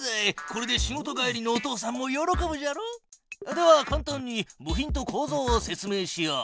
これで仕事帰りのお父さんも喜ぶじゃろう？ではかん単に部品とこうぞうを説明しよう。